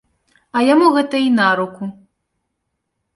А яму гэта й наруку.